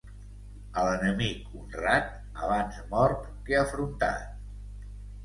A l'enemic honrat, abans mort que afrontat.